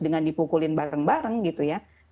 dengan dipukulin bareng bareng gitu ya